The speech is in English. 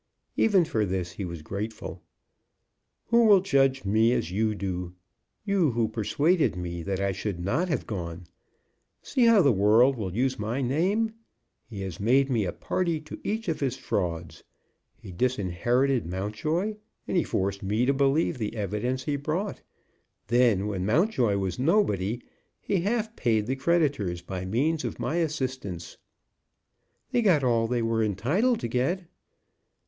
Even for this he was grateful. "Who will judge me as you do, you who persuaded me that I should not have gone? See how the world will use my name! He has made me a party to each of his frauds. He disinherited Mountjoy, and he forced me to believe the evidence he brought. Then, when Mountjoy was nobody, he half paid the creditors by means of my assistance." "They got all they were entitled to get."